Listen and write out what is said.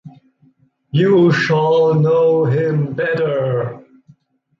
You shall know him better.